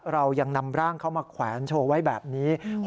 เรายังนำร่างเขามาแขวนโชว์ไว้แบบนี้